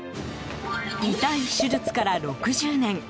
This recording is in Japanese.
痛い手術から６０年。